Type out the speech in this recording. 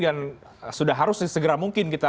dan sudah harus segera mungkin